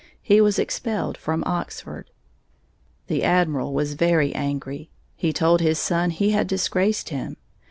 He was expelled from Oxford. The Admiral was very angry. He told his son he had disgraced him.